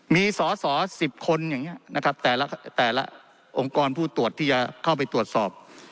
มีสอสอ๑๐คนอย่างนี้นะครับแต่ละองค์กรผู้ตรวจที่จะเข้าไปตรวจสอบ